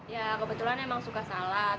ya kebetulan emang suka salad